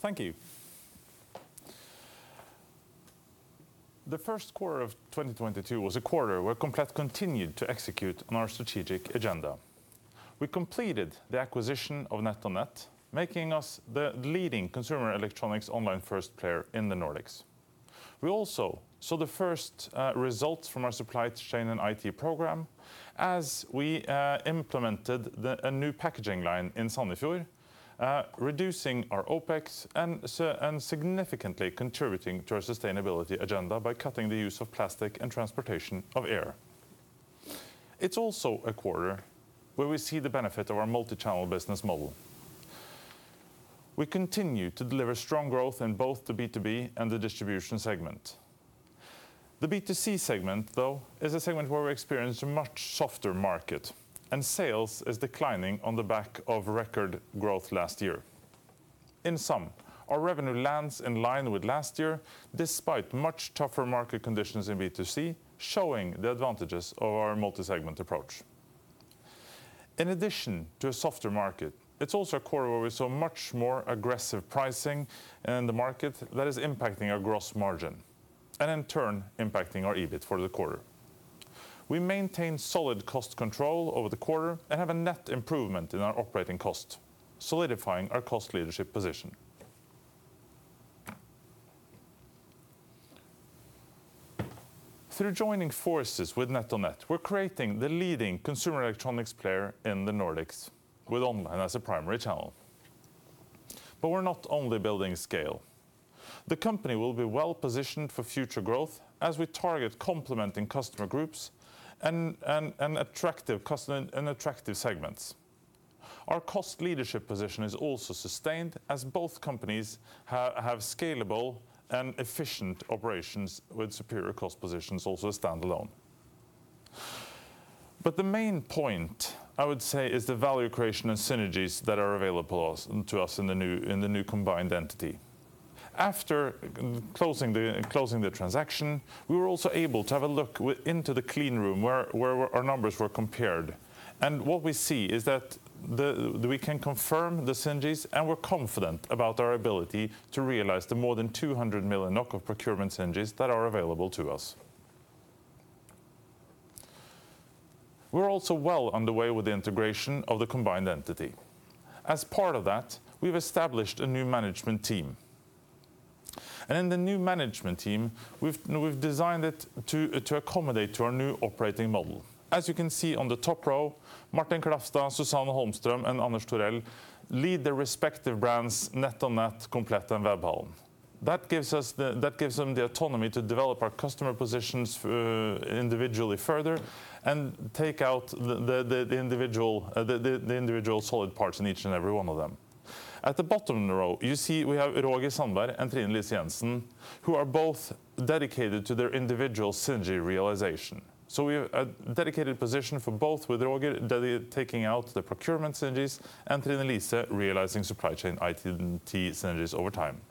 Thank you. The first quarter of 2022 was a quarter where Komplett continued to execute on our strategic agenda. We completed the acquisition of NetOnNet, making us the leading consumer electronics online first player in the Nordics. We also saw the first results from our supply chain and IT program as we implemented a new packaging line in Sandefjord, reducing our OpEx and significantly contributing to our sustainability agenda by cutting the use of plastic and transportation of air. It's also a quarter where we see the benefit of our multi-channel business model. We continue to deliver strong growth in both the B2B and the distribution segment. The B2C segment, though, is a segment where we experience a much softer market, and sales is declining on the back of record growth last year. In sum, our revenue lands in line with last year, despite much tougher market conditions in B2C, showing the advantages of our multi-segment approach. In addition to a softer market, it's also a quarter where we saw much more aggressive pricing in the market that is impacting our gross margin, and in turn impacting our EBIT for the quarter. We maintained solid cost control over the quarter and have a net improvement in our operating cost, solidifying our cost leadership position. Through joining forces with NetOnNet, we're creating the leading consumer electronics player in the Nordics with online as a primary channel. We're not only building scale. The company will be well-positioned for future growth as we target complementing customer groups and attractive customer segments. Our cost leadership position is also sustained as both companies have scalable and efficient operations with superior cost positions also standalone. The main point, I would say, is the value creation and synergies that are available to us in the new combined entity. After closing the transaction, we were also able to have a look into the clean room where our numbers were compared. What we see is that we can confirm the synergies, and we're confident about our ability to realize the more than 200 million NOK of procurement synergies that are available to us. We're also well underway with the integration of the combined entity. As part of that, we've established a new management team. In the new management team, we've designed it to accommodate to our new operating model. As you can see on the top row, Martin Klafstad, Susanne Holmström, and Anders Torell lead their respective brands, NetOnNet, Komplett, and Webhallen. That gives them the autonomy to develop our customer positions individually further and take out the individual solid parts in each and every one of them. At the bottom row, you see we have Roger Sandberg and Trine-Lise Jensen, who are both dedicated to their individual synergy realization. We have a dedicated position for both with Roger taking out the procurement synergies and Trine-Lise realizing supply chain IT synergies over time.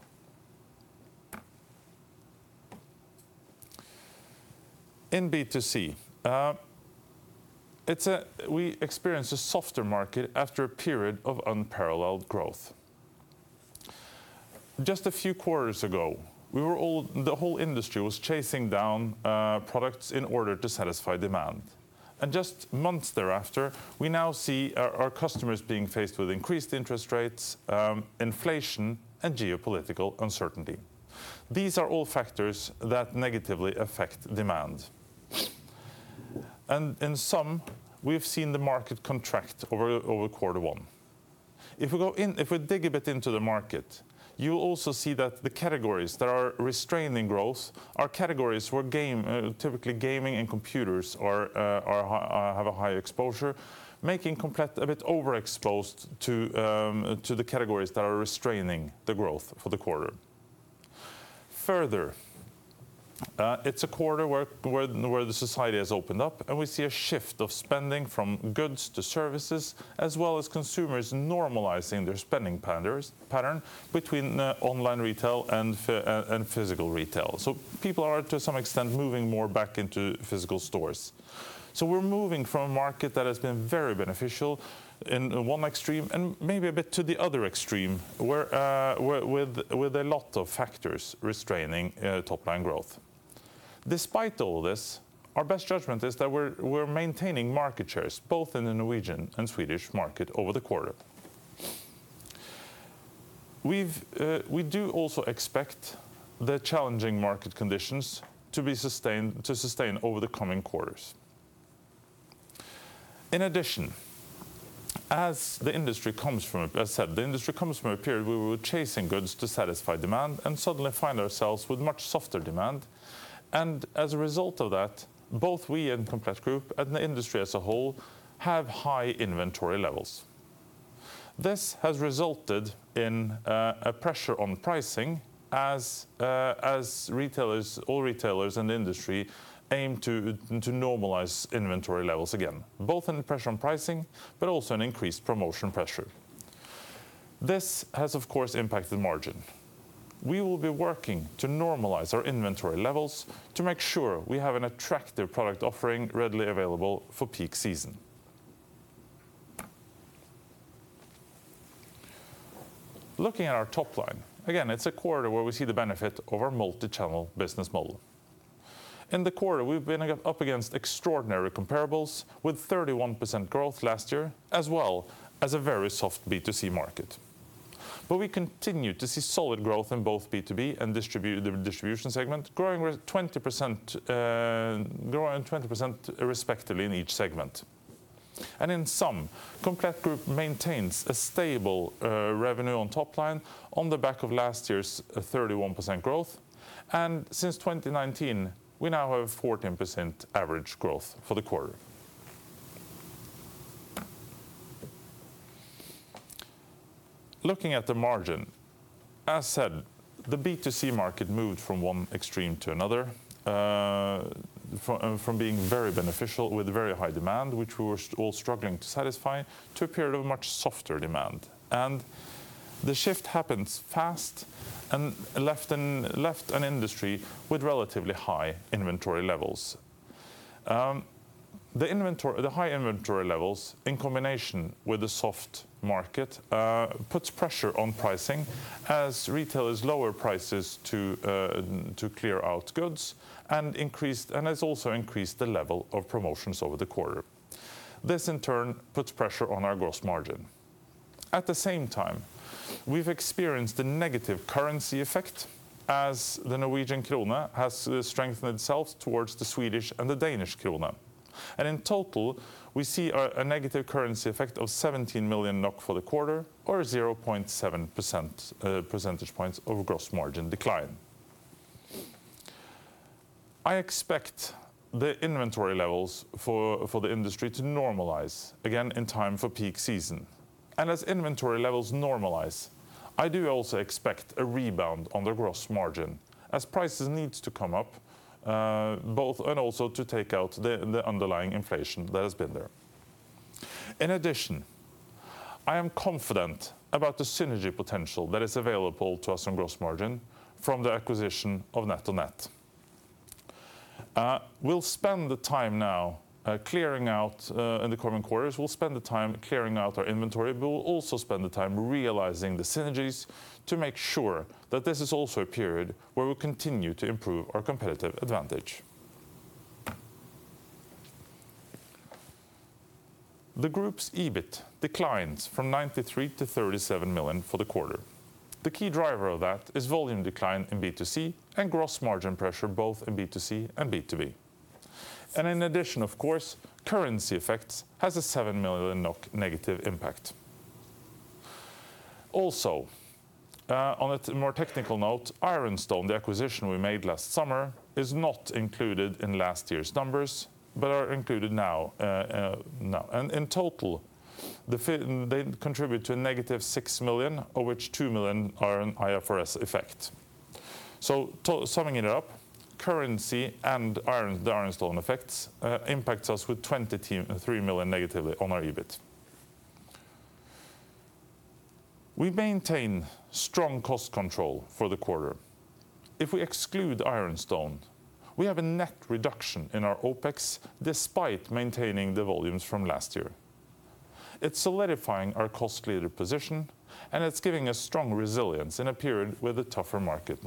In B2C, we experienced a softer market after a period of unparalleled growth. Just a few quarters ago, the whole industry was chasing down products in order to satisfy demand. Just months thereafter, we now see our customers being faced with increased interest rates, inflation, and geopolitical uncertainty. These are all factors that negatively affect demand. In sum, we have seen the market contract over quarter one. If we dig a bit into the market, you will also see that the categories that are restraining growth are categories where typically gaming and computers have a high exposure, making Komplett a bit overexposed to the categories that are restraining the growth for the quarter. Further, it's a quarter where the society has opened up, and we see a shift of spending from goods to services, as well as consumers normalizing their spending patterns between online retail and physical retail. People are, to some extent, moving more back into physical stores. We're moving from a market that has been very beneficial in one extreme and maybe a bit to the other extreme where with a lot of factors restraining top-line growth. Despite all this, our best judgment is that we're maintaining market shares both in the Norwegian and Swedish market over the quarter. We do also expect the challenging market conditions to sustain over the coming quarters. In addition, as I said, the industry comes from a period where we were chasing goods to satisfy demand and suddenly find ourselves with much softer demand. As a result of that, both we in Komplett Group and the industry as a whole have high inventory levels. This has resulted in a pressure on pricing as retailers, all retailers in the industry aim to normalize inventory levels again, both in the pressure on pricing but also an increased promotion pressure. This has, of course, impacted margin. We will be working to normalize our inventory levels to make sure we have an attractive product offering readily available for peak season. Looking at our top line, again, it's a quarter where we see the benefit of our multi-channel business model. In the quarter, we've been up against extraordinary comparables with 31% growth last year as well as a very soft B2C market. We continue to see solid growth in both B2B and the distribution segment growing 20% respectively in each segment. In sum, Komplett Group maintains a stable revenue on top line on the back of last year's 31% growth. Since 2019, we now have 14% average growth for the quarter. Looking at the margin, as said, the B2C market moved from one extreme to another, from being very beneficial with very high demand, which we were all struggling to satisfy, to a period of much softer demand. The shift happens fast and left an industry with relatively high inventory levels. The high inventory levels in combination with a soft market puts pressure on pricing as retailers lower prices to clear out goods and has also increased the level of promotions over the quarter. This in turn puts pressure on our gross margin. At the same time, we've experienced a negative currency effect as the Norwegian krone has strengthened itself towards the Swedish and the Danish krone. In total, we see a negative currency effect of 17 million NOK for the quarter or 0.7 percentage points of gross margin decline. I expect the inventory levels for the industry to normalize again in time for peak season. As inventory levels normalize, I do also expect a rebound on the gross margin as prices need to come up, both and also to take out the underlying inflation that has been there. In addition, I am confident about the synergy potential that is available to us on gross margin from the acquisition of NetOnNet. In the coming quarters, we'll spend the time clearing out our inventory, but we'll also spend the time realizing the synergies to make sure that this is also a period where we continue to improve our competitive advantage. The group's EBIT declines from 93 million to 37 million for the quarter. The key driver of that is volume decline in B2C and gross margin pressure both in B2C and B2B. In addition, of course, currency effects has a 7 million negative impact. Also, on a more technical note, Ironstone, the acquisition we made last summer, is not included in last year's numbers, but are included now. In total, they contribute to a negative 6 million, of which 2 million are an IFRS effect. Summing it up, currency and Ironstone effects impact us with 23 million negatively on our EBIT. We maintain strong cost control for the quarter. If we exclude Ironstone, we have a net reduction in our OpEx despite maintaining the volumes from last year. It's solidifying our cost leader position, and it's giving us strong resilience in a period with a tougher market.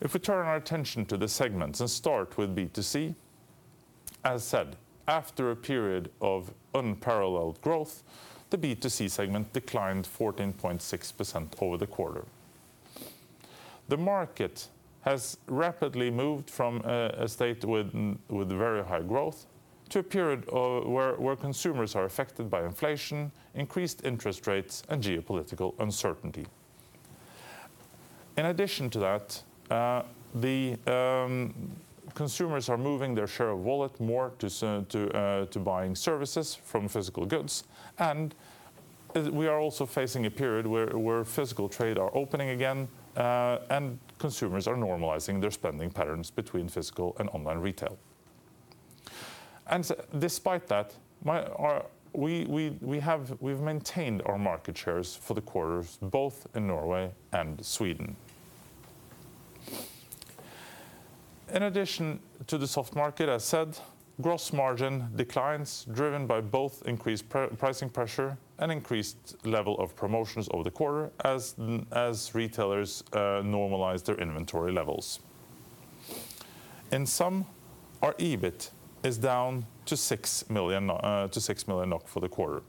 If we turn our attention to the segments and start with B2C, as said, after a period of unparalleled growth, the B2C segment declined 14.6% over the quarter. The market has rapidly moved from a state with very high growth to a period where consumers are affected by inflation, increased interest rates, and geopolitical uncertainty. In addition to that, the consumers are moving their share of wallet more to buying services from physical goods. We are also facing a period where physical trade are opening again, and consumers are normalizing their spending patterns between physical and online retail. Despite that, we've maintained our market shares for the quarters, both in Norway and Sweden. In addition to the soft market, as said, gross margin declines driven by both increased pricing pressure and increased level of promotions over the quarter as retailers normalize their inventory levels. In sum, our EBIT is down to 6 million for the quarter.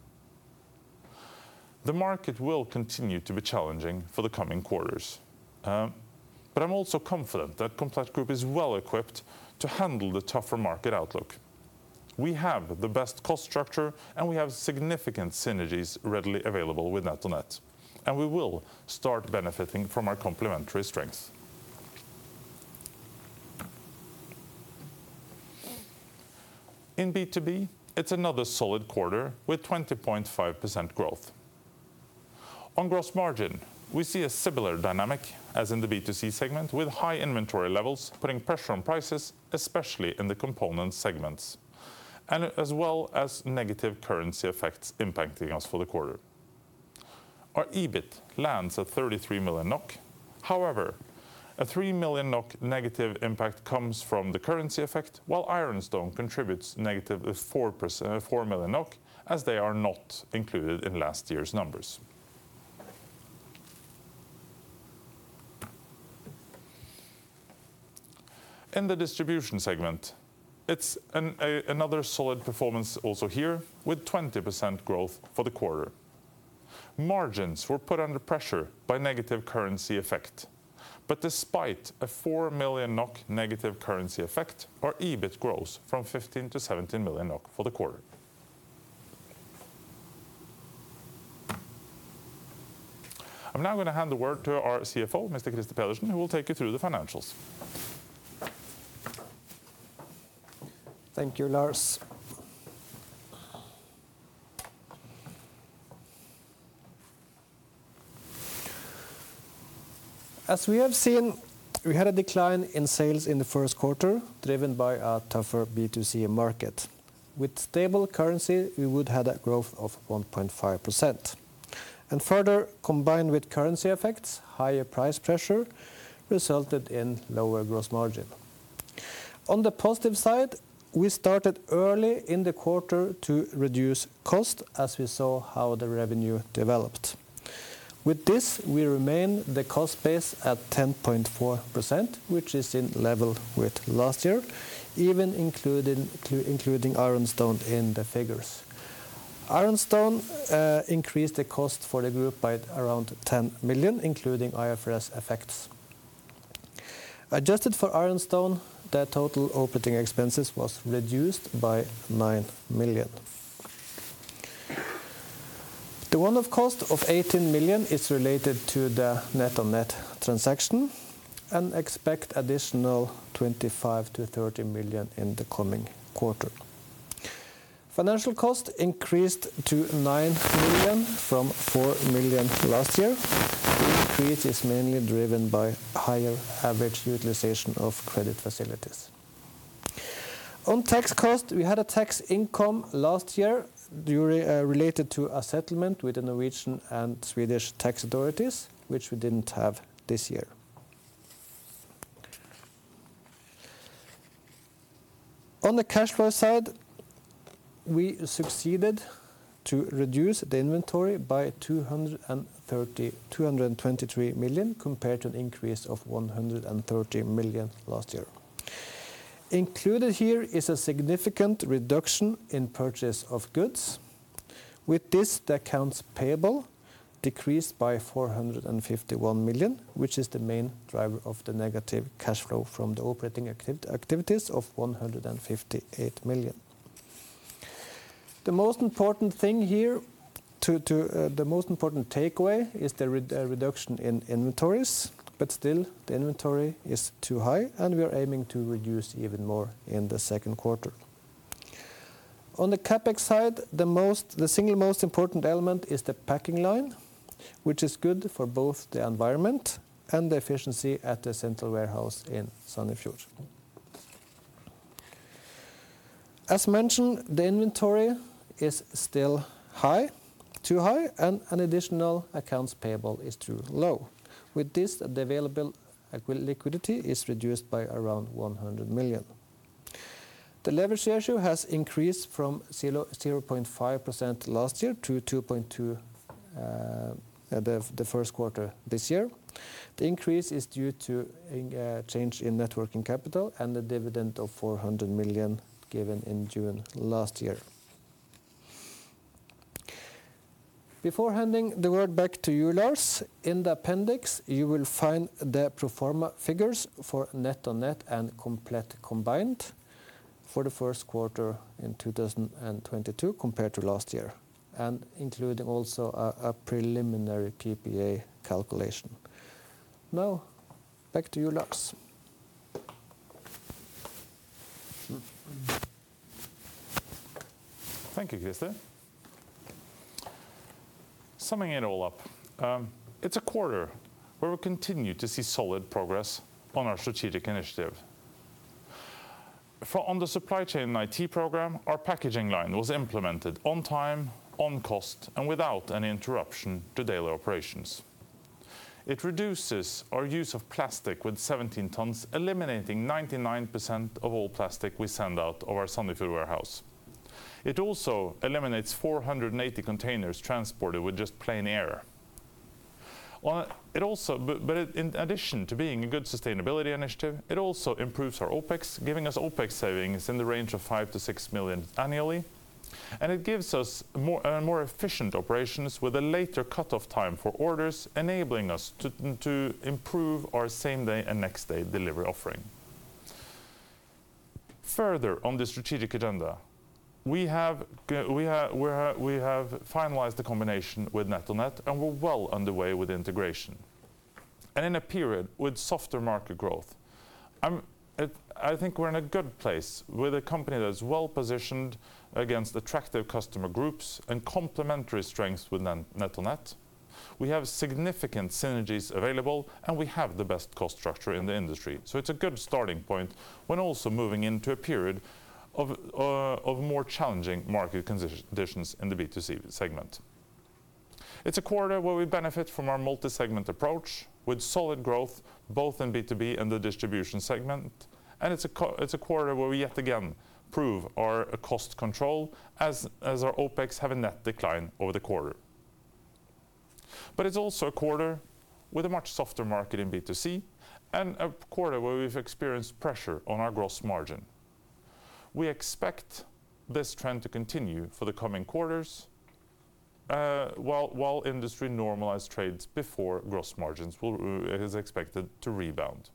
The market will continue to be challenging for the coming quarters. I'm also confident that Komplett Group is well-equipped to handle the tougher market outlook. We have the best cost structure, and we have significant synergies readily available with NetOnNet, and we will start benefiting from our complementary strengths. In B2B, it's another solid quarter with 20.5% growth. On gross margin, we see a similar dynamic as in the B2C segment with high inventory levels, putting pressure on prices, especially in the component segments, and as well as negative currency effects impacting us for the quarter. Our EBIT lands at 33 million NOK. However, a 3 million NOK negative impact comes from the currency effect, while Ironstone contributes negative of 4 million NOK as they are not included in last year's numbers. In the distribution segment, it's another solid performance also here with 20% growth for the quarter. Margins were put under pressure by negative currency effect. Despite a 4 million NOK negative currency effect, our EBIT grows from 15 million to 17 million NOK for the quarter. I'm now gonna hand the word to our CFO, Mr. Krister Pedersen, who will take you through the financials. Thank you, Lars. As we have seen, we had a decline in sales in the first quarter, driven by a tougher B2C market. With stable currency, we would had a growth of 1.5%. Further, combined with currency effects, higher price pressure resulted in lower gross margin. On the positive side, we started early in the quarter to reduce cost as we saw how the revenue developed. With this, we remain the cost base at 10.4%, which is in level with last year, even including Ironstone in the figures. Ironstone increased the cost for the group by around 10 million, including IFRS effects. Adjusted for Ironstone, the total operating expenses was reduced by 9 million. The one-off cost of 18 million is related to the NetOnNet transaction and expect additional 25 million-30 million in the coming quarter. Financial cost increased to 9 million from 4 million last year. The increase is mainly driven by higher average utilization of credit facilities. On tax cost, we had a tax income last year during related to a settlement with the Norwegian and Swedish tax authorities, which we didn't have this year. On the cash flow side, we succeeded to reduce the inventory by 223 million compared to an increase of 130 million last year. Included here is a significant reduction in purchase of goods. With this, the accounts payable decreased by 451 million, which is the main driver of the negative cash flow from the operating activities of 158 million. The most important takeaway is the reduction in inventories, but still the inventory is too high, and we are aiming to reduce even more in the second quarter. On the CapEx side, the single most important element is the packing line, which is good for both the environment and the efficiency at the central warehouse in Sandefjord. As mentioned, the inventory is still high, too high, and an additional accounts payable is too low. With this, the available liquidity is reduced by around 100 million. The leverage ratio has increased from 0.5% last year to 2.2% at the first quarter this year. The increase is due to a change in net working capital and the dividend of 400 million given in June last year. Before handing the word back to you, Lars, in the appendix, you will find the pro forma figures for NetOnNet and Komplett combined for the first quarter in 2022 compared to last year, and including also a preliminary PPA calculation. Now, back to you, Lars. Thank you, Krister. Summing it all up, it's a quarter where we continue to see solid progress on our strategic initiative. On the supply chain and IT program, our packaging line was implemented on time, on cost, and without any interruption to daily operations. It reduces our use of plastic with 17 tons, eliminating 99% of all plastic we send out of our Sandefjord warehouse. It also eliminates 480 containers transported with just plain air. In addition to being a good sustainability initiative, it also improves our OpEx, giving us OpEx savings in the range of 5 million-6 million annually, and it gives us more efficient operations with a later cutoff time for orders, enabling us to improve our same-day and next-day delivery offering. Further on the strategic agenda, we have finalized the combination with NetOnNet, and we're well underway with integration. In a period with softer market growth, I think we're in a good place with a company that's well-positioned against attractive customer groups and complementary strengths within NetOnNet. We have significant synergies available, and we have the best cost structure in the industry. It's a good starting point when also moving into a period of more challenging market conditions in the B2C segment. It's a quarter where we benefit from our multi-segment approach with solid growth both in B2B and the distribution segment, and it's a quarter where we yet again prove our cost control as our OpEx have a net decline over the quarter. It's also a quarter with a much softer market in B2C and a quarter where we've experienced pressure on our gross margin. We expect this trend to continue for the coming quarters, while gross margins are expected to rebound.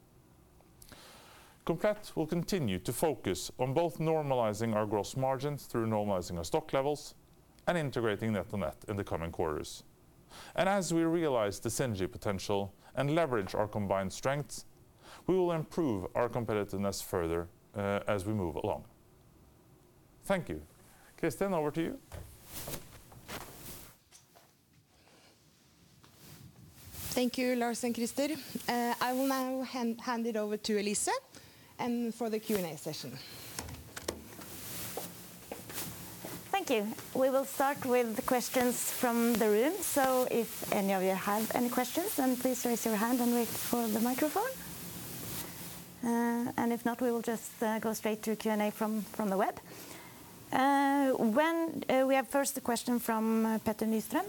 Komplett will continue to focus on both normalizing our gross margins through normalizing our stock levels and integrating NetOnNet in the coming quarters. As we realize the synergy potential and leverage our combined strengths, we will improve our competitiveness further, as we move along. Thank you. Kristin, over to you. Thank you, Lars and Krister. I will now hand it over to Elisa, for the Q&A session. Thank you. We will start with the questions from the room, so if any of you have any questions, then please raise your hand and wait for the microphone. If not, we will just go straight to Q&A from the web. We have first a question from Petter Nystrøm.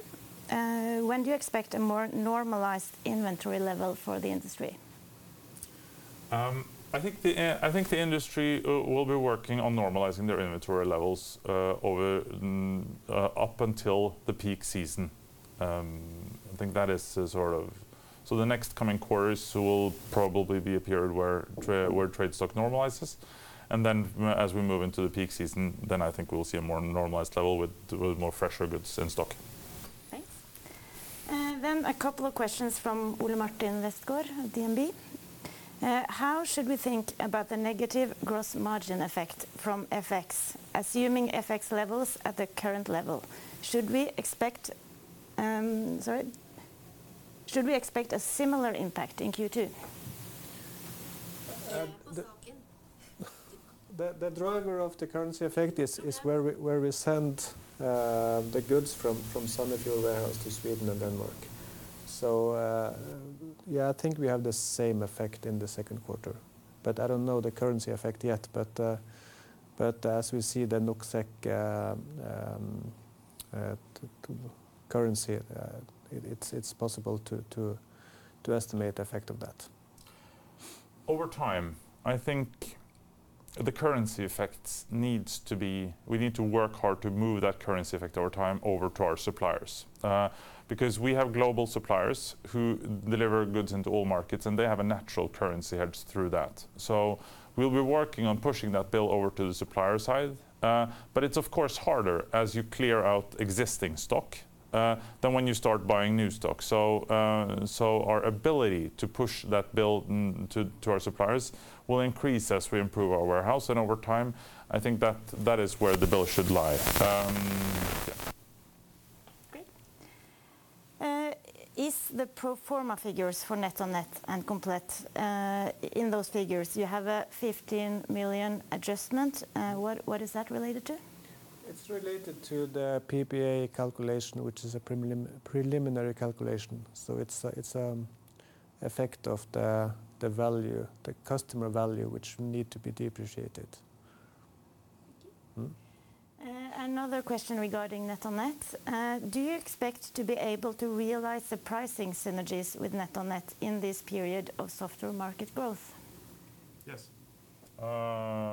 When do you expect a more normalized inventory level for the industry? I think the industry will be working on normalizing their inventory levels over up until the peak season. The next coming quarters will probably be a period where trade stock normalizes, and then as we move into the peak season, then I think we'll see a more normalized level with more fresher goods in stock. Okay. A couple of questions from Ole Martin Westgaard at DNB. How should we think about the negative gross margin effect from FX, assuming FX levels at the current level? Should we expect a similar impact in Q2? Uh, the- The driver of the currency effect is where we send the goods from some of our warehouses to Sweden and Denmark. Yeah, I think we have the same effect in the second quarter, but I don't know the currency effect yet. As we see the NOK/SEK currency, it's possible to estimate the effect of that. Over time, I think the currency effects needs to be. We need to work hard to move that currency effect over time over to our suppliers. Because we have global suppliers who deliver goods into all markets, and they have a natural currency hedge through that. We'll be working on pushing that bill over to the supplier side. It's of course harder as you clear out existing stock than when you start buying new stock. Our ability to push that bill onto our suppliers will increase as we improve our warehouse. Over time, I think that is where the bill should lie. Great. Is the pro forma figures for NetOnNet and Komplett, in those figures you have a 15 million adjustment. What is that related to? It's related to the PPA calculation, which is a preliminary calculation. It's effect of the value, the customer value which need to be depreciated. Mm-hmm. Another question regarding NetOnNet. Do you expect to be able to realize the pricing synergies with NetOnNet in this period of softer market growth? Yes.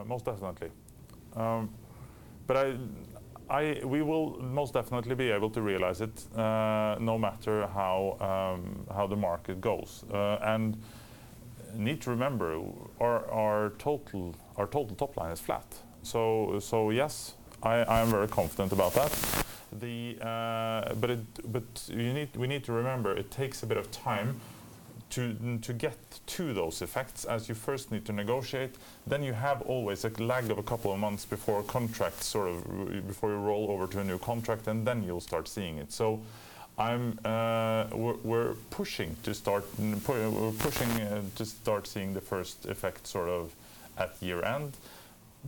Most definitely. We will most definitely be able to realize it, no matter how the market goes. Need to remember our total top line is flat. Yes, I am very confident about that. We need to remember it takes a bit of time to get to those effects as you first need to negotiate, then you have always a lag of a couple of months before contracts sort of roll over to a new contract, and then you'll start seeing it. We're pushing to start seeing the first effect sort of at year-end,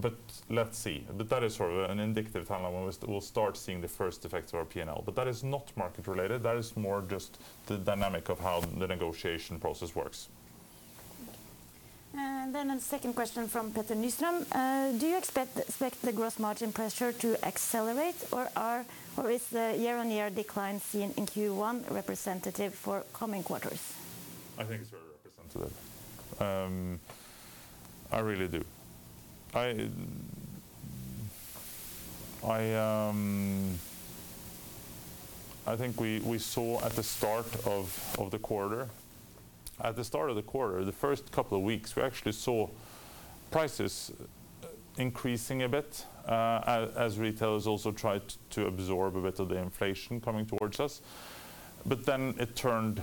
but let's see. That is sort of an indicative timeline when we'll start seeing the first effect of our P&L. That is not market-related. That is more just the dynamic of how the negotiation process works. Okay. A second question from Petter Nystrøm. Do you expect the gross margin pressure to accelerate, or is the year-on-year decline seen in Q1 representative for coming quarters? I think it's very representative. I really do. I think we saw at the start of the quarter, the first couple of weeks, we actually saw prices increasing a bit, as retailers also tried to absorb a bit of the inflation coming towards us. It turned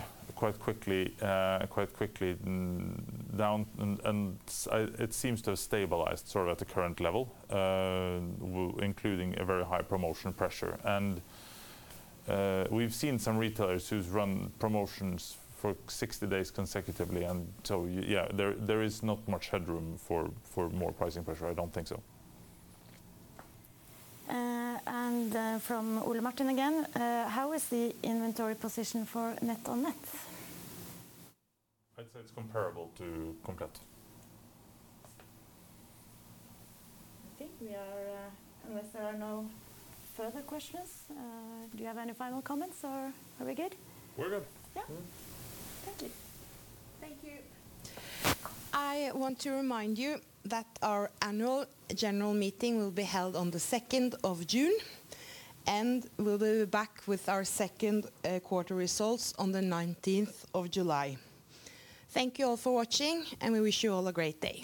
quite quickly down. It seems to have stabilized sort of at the current level, including a very high promotion pressure. We've seen some retailers who've run promotions for 60 days consecutively, and so yeah, there is not much headroom for more pricing pressure, I don't think so. From Ole Martin again, how is the inventory position for NetOnNet? I'd say it's comparable to Komplett. I think we are, unless there are no further questions, do you have any final comments or are we good? We're good. Yeah. Thank you. Thank you. I want to remind you that our annual general meeting will be held on the second of June, and we'll be back with our second quarter results on the nineteenth of July. Thank you all for watching, and we wish you all a great day.